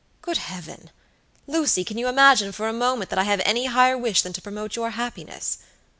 Good Heaven! Lucy, can you imagine for a moment that I have any higher wish than to promote your happiness?